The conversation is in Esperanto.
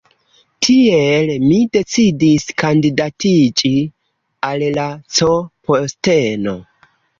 Tiel, mi decidis kandidatiĝi al la C posteno.